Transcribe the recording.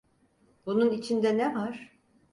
Bunun içinde ne var?